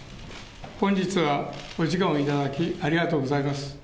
本日はお時間を頂き、ありがとうございます。